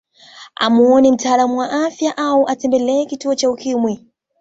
Amuone mtaalamu wa afya au atembelee kituo cha Ukimwi